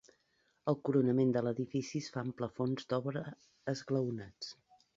El coronament de l'edifici es fa amb plafons d'obra esglaonats.